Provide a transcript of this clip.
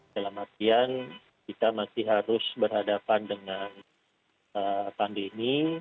dalam artian kita masih harus berhadapan dengan pandemi